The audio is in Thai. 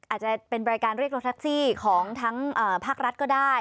อาจจะเป็นบริการเรียกรถแท็กซี่ของทั้งภาครัฐก็ได้